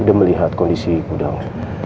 udah melihat kondisi gudang